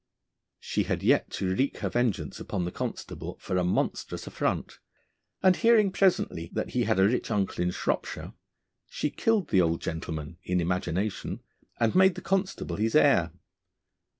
She had yet to wreak her vengeance upon the constable for a monstrous affront, and hearing presently that he had a rich uncle in Shropshire, she killed the old gentleman (in imagination) and made the constable his heir.